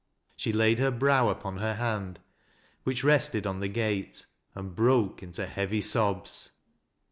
She laid her brow upon her hand, which rested on the gate, and broke into heavy sobs.